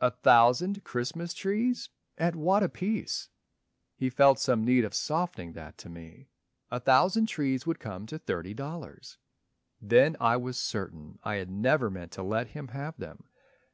"A thousand Christmas trees! at what apiece?" He felt some need of softening that to me: "A thousand trees would come to thirty dollars." Then I was certain I had never meant To let him have them.